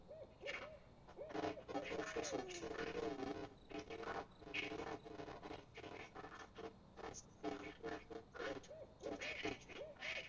埃克斯特里村是位于美国加利福尼亚州埃尔多拉多县的一个非建制地区。